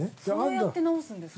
◆どうやって直すんですか。